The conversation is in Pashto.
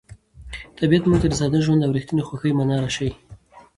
طبیعت موږ ته د ساده ژوند او رښتیني خوښۍ مانا راښيي.